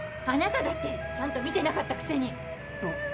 あなただってちゃんと見てなかったくせに！